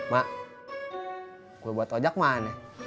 ma kue buat ojak mana